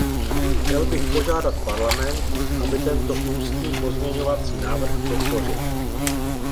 Chtěl bych požádat Parlament, aby tento ústní pozměňovací návrh podpořil.